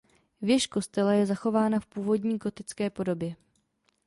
Věž kostela je zachována v původní gotické podobě.